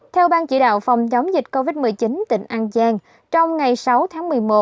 theo ban chỉ đạo phòng chống dịch covid một mươi chín tỉnh an giang trong ngày sáu tháng một mươi một